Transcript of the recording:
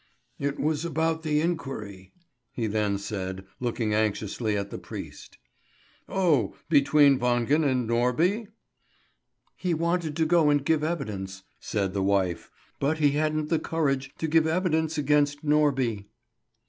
"It was about the inquiry," he then said, looking anxiously at the priest. "Oh! Between Wangen and Norby?" "He wanted to go and give evidence," said the wife; "but he hadn't the courage to give evidence against Norby."